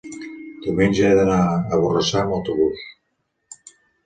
diumenge he d'anar a Borrassà amb autobús.